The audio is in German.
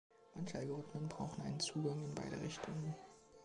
Manche Algorithmen brauchen einen Zugang in beide Richtungen.